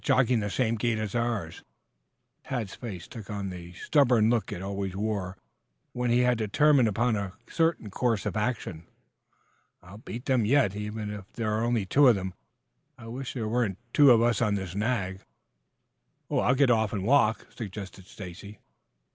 Jogging the same gait as ours!" Tad's face took on the stubborn look it always wore when he had determined upon a certain course of action. "I'll beat them yet, even if there are only two of them. I wish there weren't two of us on this nag." "I'll get off and walk," suggested. Stacy.